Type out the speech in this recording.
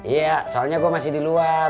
iya soalnya gue masih di luar